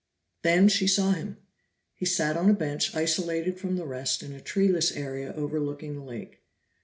Then she saw him. He sat on a bench isolated from the rest in a treeless area overlooking the lake.